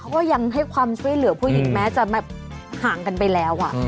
เขาก็ยังให้ความช่วยเหลือผู้หญิงแม้จะแบบห่างกันไปแล้ว